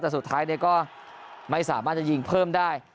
แต่สุดท้ายก็ไม่สามารถจะยิงเพิ่มได้